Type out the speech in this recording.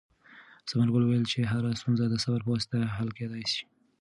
ثمرګل وویل چې هره ستونزه د صبر په واسطه حل کېدلای شي.